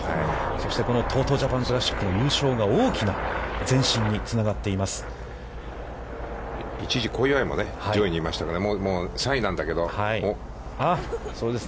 そして、ＴＯＴＯジャパンクラシックの優勝が大きな前進につながっています。